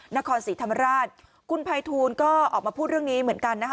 นครศรีธรรมราชคุณภัยทูลก็ออกมาพูดเรื่องนี้เหมือนกันนะคะ